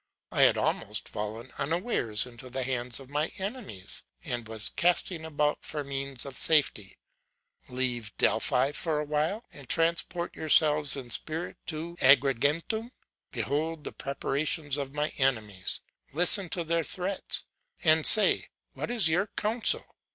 I had almost fallen unawares into the hands of my enemies, and was casting about for means of safety. Leave Delphi for a while, and transport yourselves in spirit to Agrigentum: behold the preparations of my enemies: listen to their threats; and say, what is your counsel?